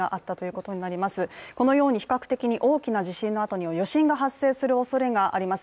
このように比較的、大きな地震の後には余震が発生するおそれがあります。